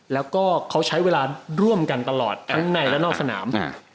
แล้วก็เขาใช้เวลาร่วมกันตลอดทั้งในและนอกสนาม